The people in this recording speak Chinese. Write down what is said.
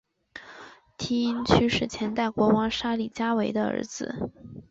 梯因屈是前代国王沙里伽维的儿子。